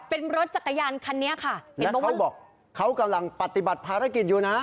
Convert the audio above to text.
เป็นรถจักรยานคันนี้ค่ะเห็นบอกว่าเขากำลังปฏิบัติภารกิจอยู่นะ